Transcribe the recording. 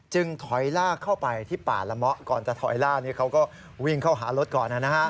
จึงถอยล่าเข้าไปที่ป่าละมะก่อนจะถอยล่าเนี่ยเขาก็วิ่งเข้าหารถก่อนนะฮะ